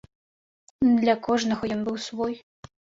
Для кожнага ён быў свой.